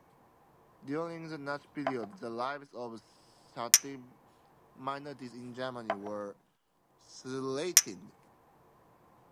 During the Nazi period, the lives of certain minorities in Germany were threatened.